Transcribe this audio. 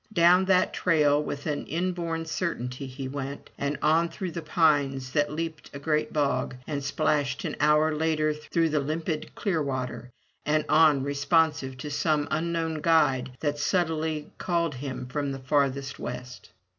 Down that trail with an inborn certainty he went, and on through the pines, then leaped a great bog, and splashed an hour later through the limpid Clearwater and on, responsive to some unknown guide that subtly called him from the farther west.